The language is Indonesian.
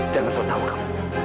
jangan saya tahu kamu